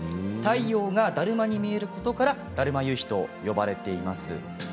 太陽が、だるまに見えることからだるま夕日と呼ばれています。